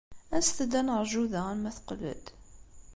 Aset-d ad neṛju da arma teqqel-d.